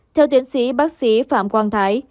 theo tiến sĩ bác sĩ phạm quang thái